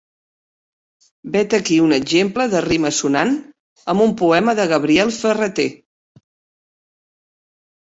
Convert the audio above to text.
Vet aquí un exemple de rima assonant en un poema de Gabriel Ferrater.